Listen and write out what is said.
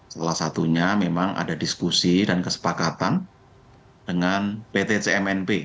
salah satunya memang ada diskusi dan kesepakatan dengan pt cmnp